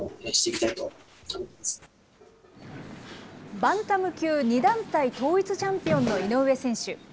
バンタム級２団体統一チャンピオンの井上選手。